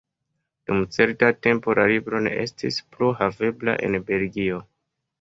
Dum certa tempo la libro ne estis plu havebla en Belgio.